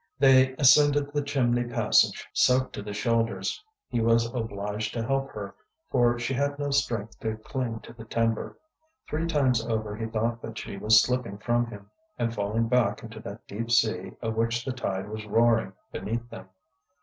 They ascended the chimney passage, soaked to the shoulders. He was obliged to help her, for she had no strength to cling to the timber. Three times over he thought that she was slipping from him and falling back into that deep sea of which the tide was roaring beneath them.